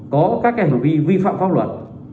có các hành vi vi phạm pháp luật